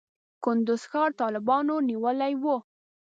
کندز ښار طالبانو نیولی و.